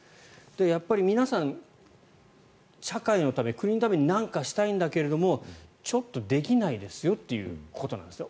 やっぱり、皆さん社会のため、国のためになんかしたいんだけどちょっとできないですよっていうことなんですね。